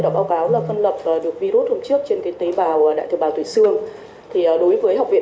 đã báo cáo là phân lập được virus hôm trước trên tế bào đại tế bào tuổi xương đối với học viện